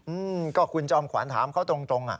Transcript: อืมก็คุณจอมขวัญถามเขาตรงอ่ะ